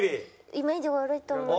イメージ悪いと思って。